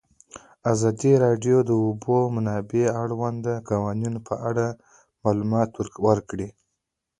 ازادي راډیو د د اوبو منابع د اړونده قوانینو په اړه معلومات ورکړي.